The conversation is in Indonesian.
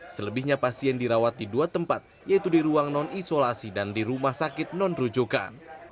selebihnya pasien dirawat di dua tempat yaitu di ruang non isolasi dan di rumah sakit non rujukan